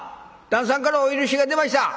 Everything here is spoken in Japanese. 旦さんからお許しが出ました。